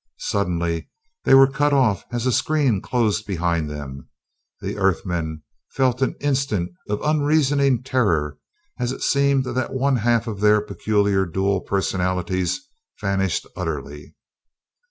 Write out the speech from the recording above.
Suddenly they were cut off as a screen closed behind them the Earth men felt an instant of unreasoning terror as it seemed that one half of their peculiar dual personalities vanished utterly.